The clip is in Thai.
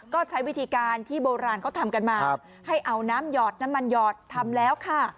ก็ใช้วิธีการที่โบราณเขาทำกันมาให้เอาน้ำหยอดน้ำมันหยอดทำแล้วค่ะ